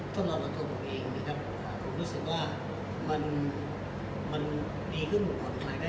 สำหรับตัวผมเองนะไม่เกี่ยวกับคนอื่นนะครับอันนี้ต้องขอออกไว้ก่อนนะครับ